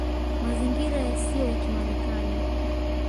Mazingira Yasiyo ya Kimarekani